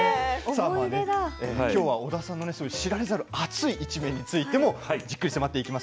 きょうは織田さんの知られざる熱い一面についても迫ってまいります。